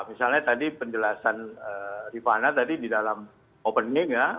misalnya tadi penjelasan rifana tadi di dalam opening ya